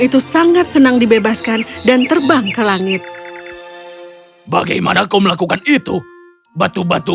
itu sangat senang dibebaskan dan terbang ke langit bagaimana kau melakukan itu batu batu